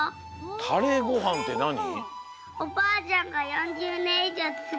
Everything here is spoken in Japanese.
タレごはんってなに？